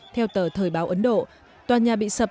theo tờ thời báo ấn độ tòa nhà bị sập